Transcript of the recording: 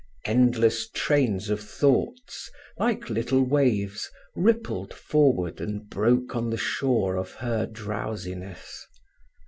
Endless trains of thoughts, like little waves, rippled forward and broke on the shore of her drowsiness.